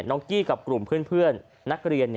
น้องกี้กับกลุ่มเพื่อน